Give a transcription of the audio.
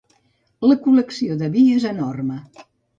La col·lecció de vi és enorme.